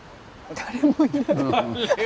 誰もいない。